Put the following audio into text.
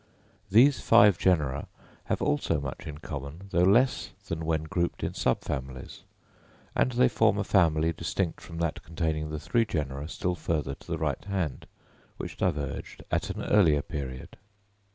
These five genera have also much in common, though less than when grouped in subfamilies; and they form a family distinct from that containing the three genera still further to the right hand, which diverged at an earlier period.